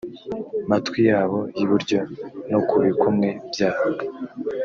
matwi yabo y iburyo no ku bikumwe byabo